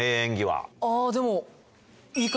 あでも。